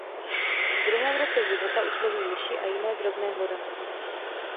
V druhém roce života už loví myši a jiné drobné hlodavce.